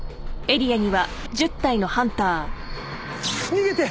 逃げて。